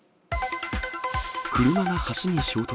車が橋に衝突。